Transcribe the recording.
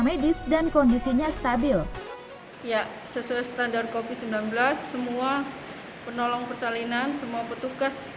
medis dan kondisinya stabil ya sesuai standar kopi sembilan belas semua penolong persalinan semua petugas